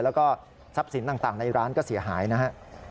แล้วก็ทรัพย์สินต่างในร้านก็เสียหายนะครับ